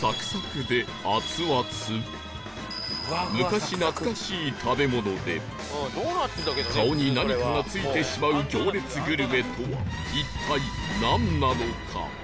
昔懐かしい食べ物で顔に何かが付いてしまう行列グルメとは一体なんなのか？